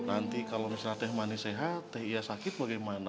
nanti kalau misalnya teh manis sehat teh iya sakit bagaimana